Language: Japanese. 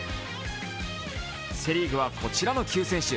セ・リーグはこちらの９選手。